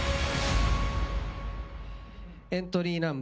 エントリーナンバー２番。